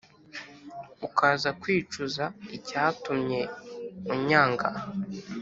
ukaza kwicuza icyatumye unyanga,